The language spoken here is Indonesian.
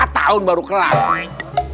empat tahun baru kelar